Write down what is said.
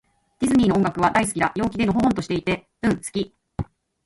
ディズニーの音楽は、大好きだ。陽気で、のほほんとしていて。うん、好き。